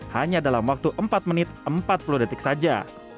hanya dalam waktu empat menit empat puluh detik saja